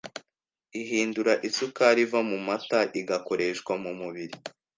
ihindura isukari iva mu mata, igakoreshwa mu mubiri